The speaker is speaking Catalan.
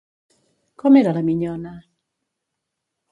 Com era la minyona?